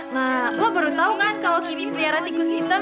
nah lo baru tau kan kalau kimi pelihara tikus hitam